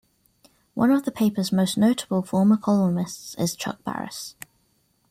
One of the paper's most notable former columnists is Chuck Barris.